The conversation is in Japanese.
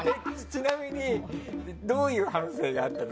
ちなみにどういう反省があったの？